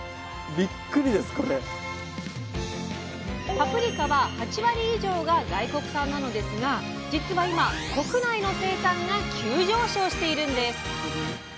パプリカは８割以上が外国産なのですがじつは今国内の生産が急上昇しているんです！